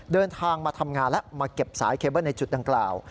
เดินทางมาทำงานแล้วมาเก็บสายเคเบิ้ลในจุดดังกล่าว